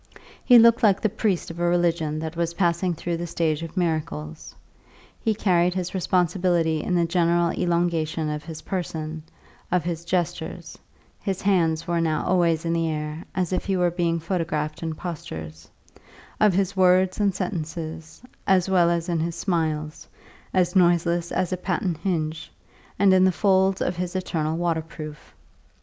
He looked like the priest of a religion that was passing through the stage of miracles; he carried his responsibility in the general elongation of his person, of his gestures (his hands were now always in the air, as if he were being photographed in postures), of his words and sentences, as well as in his smile, as noiseless as a patent hinge, and in the folds of his eternal waterproof.